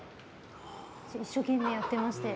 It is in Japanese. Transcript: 一生懸命やってまして。